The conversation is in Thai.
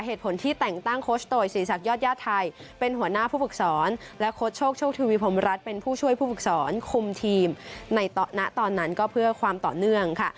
เหตุผลที่แต่งตั้งโคชโตยศิริษักยอดญาติไทยเป็นหัวหน้าผู้ฝึกสอนและโค้ชโชคโชคทวีพรมรัฐเป็นผู้ช่วยผู้ฝึกสอนคุมทีมในตอนนั้นก็เพื่อความต่อเนื่องค่ะ